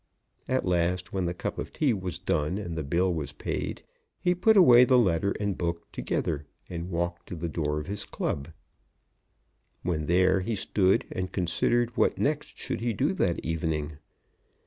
At last, when the cup of tea was done and the bill was paid, he put away letter and book together and walked to the door of his club. When there he stood and considered what next should he do that evening.